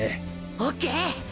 オッケー！